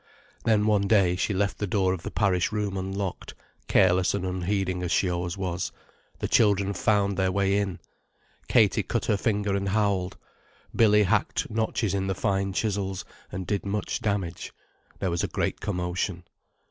Then one day, she left the door of the parish room unlocked, careless and unheeding as she always was; the children found their way in, Katie cut her finger and howled, Billy hacked notches in the fine chisels, and did much damage. There was a great commotion.